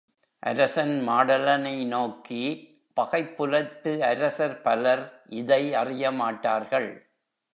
அரசன் மாடலனை நோக்கி, பகைப்புலத்து அரசர் பலர் இதை அறியமாட்டார்கள்.